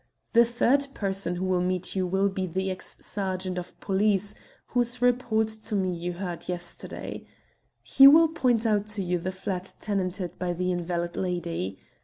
The third person who will meet you will be the ex sergeant of police, whose report to me you heard yesterday. He will point out to you the flat tenanted by the invalid lady.